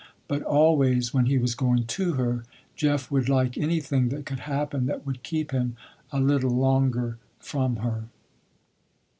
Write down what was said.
But always when he was going to her, Jeff would like anything that could happen that would keep him a little longer from her.